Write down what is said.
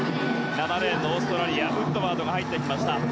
７レーン、オーストラリアウッドワードが入ってきました。